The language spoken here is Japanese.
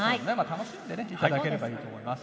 楽しんで頂ければいいと思います。